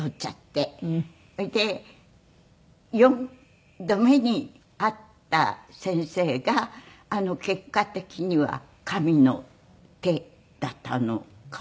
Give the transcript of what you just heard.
それで４度目に会った先生が結果的には神の手だったのかもしれませんけどね。